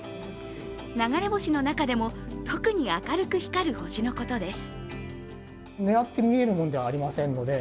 流れ星の中でも特に明るく光る星のことです。